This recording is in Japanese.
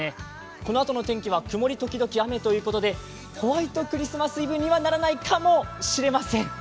このあとの天気は曇り時々雨ということでホワイトクリスマスイブにはならないかもしれません。